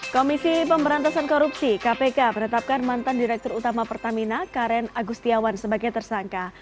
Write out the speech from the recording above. komisi pemberantasan korupsi kpk menetapkan mantan direktur utama pertamina karen agustiawan sebagai tersangka